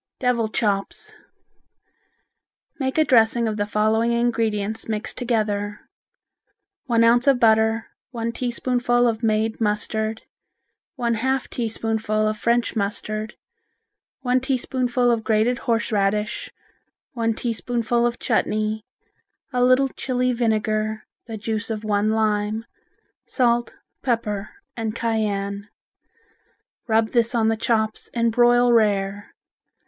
Devil Chops Make a dressing of the following ingredients mixed together: One ounce of butter, one teaspoonful of made mustard, one half teaspoonful of French mustard, one teaspoonful of grated horseradish, one teaspoonful of chutney, a little Chili vinegar, the juice of one lime, salt, pepper and cayenne. Rub this on the chops and broil rare.